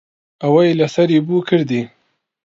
ئەوەی لەسەری بوو کردی.